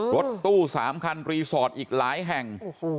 รถตู้๓คันรีสอร์ทอีกหลายแห่ง